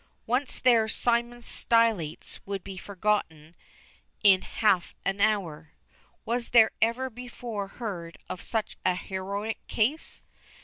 Once there Simon Stylites would be forgotten in half an hour. Was there ever before heard of such an heroic case!